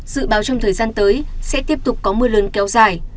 dự báo trong thời gian tới sẽ tiếp tục có mưa lớn kéo dài